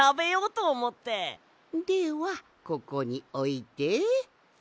ではここにおいて。